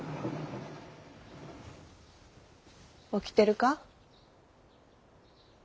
起きてるか？